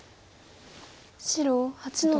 白８の九。